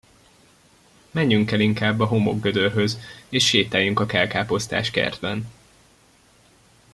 Menjünk el inkább a homokgödörhöz, és sétáljunk a kelkáposztás kertben!